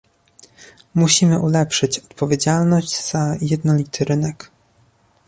Musimy ulepszyć odpowiedzialność za jednolity rynek